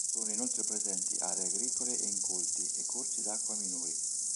Sono inoltre presenti aree agricole e incolti e corsi d'acqua minori.